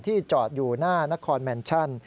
จอดอยู่หน้านครแมนชั่น